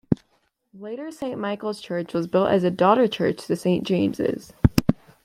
Later Saint Michael's Church was built as a daughter church to Saint James'.